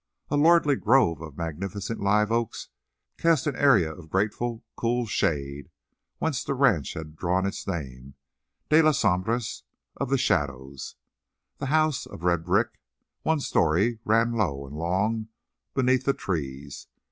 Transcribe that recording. A lordly grove of magnificent live oaks cast an area of grateful, cool shade, whence the ranch had drawn its name, "de las Sombras"—of the shadows. The house, of red brick, one story, ran low and long beneath the trees.